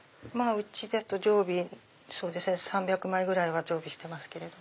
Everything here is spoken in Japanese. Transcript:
うちだと３００枚ぐらいは常備してますけれども。